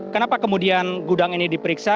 kenapa kemudian gudang ini diperiksa